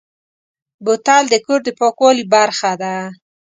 بوتل د کور د پاکوالي برخه ده.